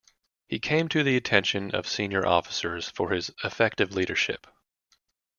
He came to the attention of senior officers for his effective leadership.